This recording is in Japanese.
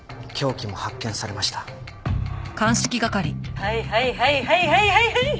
はいはいはいはいはいはいはい！